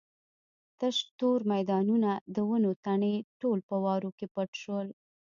تش تور میدانونه د ونو تنې ټول په واورو کې پټ شول.